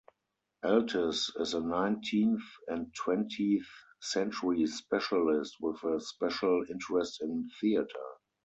Eltis is a nineteenth and twentieth century specialist, with a special interest in theatre.